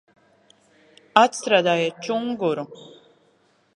Atstrādājiet čunguru!